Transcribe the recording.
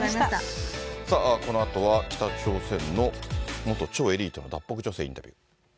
さあ、このあとは北朝鮮の元超エリートの脱北女性にインタビュー。